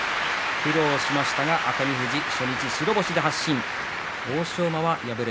苦労をしましたが熱海富士、初日白星の発進です。